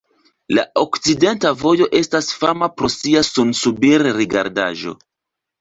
La okcidenta vojo estas fama pro sia sunsubir-rigardaĵo.